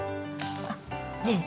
あっねえ